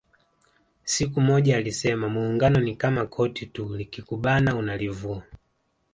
Siku moja alisema Muungano ni kama koti tu likikubana unalivua